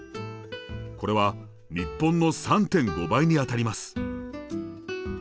これは日本の３．５倍にあたります。